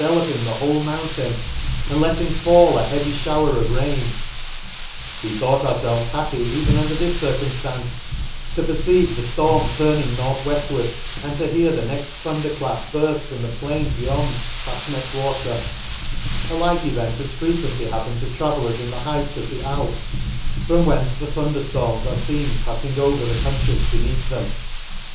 161 loping the whole mountain, and letting fall a heavy fhower of rain ;— we thought ourfelves happy even under this circum ftance, to perceive the ftorm turning northweftward, and to hear the next thunderclap burft in the plain beyond Bafnet water, — A like event has frequent ly happened to travellers in the heights of the Alps, from whence the thunder florins are {een pafTmg over the countries beneath them.